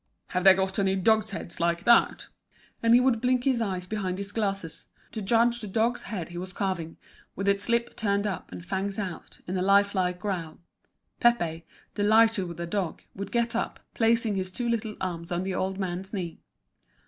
"Have they got any dog's heads like that?" And he would blink his eyes behind his glasses, to judge the dog's head he was carving, with its lip turned up and fangs out, in a life like growl. Pépé, delighted with the dog, would get up, placing his two little arms on the old man's knee.